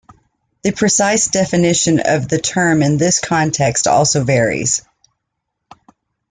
The precise definition of the term in this context also varies.